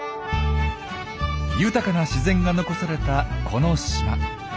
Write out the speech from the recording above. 豊かな自然が残されたこの島。